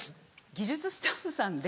技術スタッフさんで。